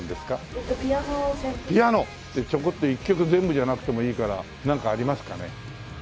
一曲全部じゃなくてもいいからなんかありますかね？